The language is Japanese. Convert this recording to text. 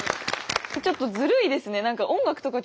ちょっとずるいですね。